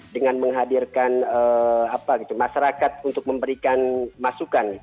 dengan menghadirkan masyarakat untuk memberikan masukan